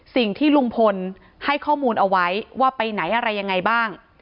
สิ่งที่ลุงพลให้ข้อมูลเอาไว้ว่าไปไหนอะไรยังไงบ้าง